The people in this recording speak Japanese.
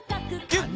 ギュッ！